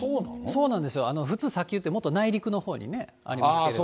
そうなんですよ、普通、砂丘って、もっと内陸のほうにありますけれども。